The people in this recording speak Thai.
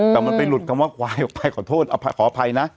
แต่มันไปหลุดคำว่าควายออกไปขอโทษขออภัยนะ